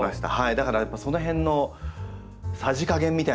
だからやっぱその辺のさじ加減みたいなものが全然。